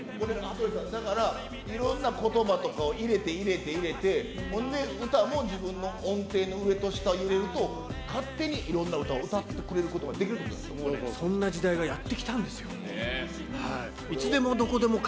だから、いろんなことばとかを入れて入れて入れて、ほんで、歌も自分の音程の上と下入れると、勝手にいろんな歌を歌ってくれることができるってことなんですか。